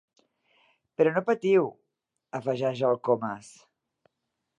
Però no patiu —afegeix el Comas—.